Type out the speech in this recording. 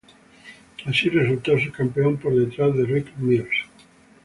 Así, resultó subcampeón por detrás de Rick Mears.